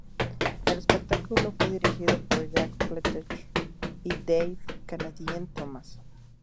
El espectáculo fue dirigido por Jack Fletcher y Dave "Canadian" Thomas.